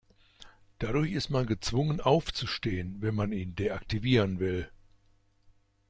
Dadurch ist man gezwungen aufzustehen, wenn man ihn deaktivieren will.